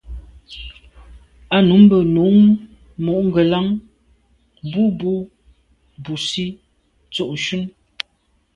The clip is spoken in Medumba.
A num mbe num mo’ ngelan mbù bo busi tsho shune.